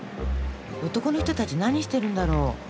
男の人たち何してるんだろう？